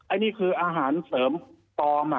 อันนี้คืออาหารเสริมฟอร์ม